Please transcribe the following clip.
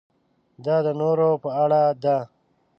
دا د نورو په اړه ده.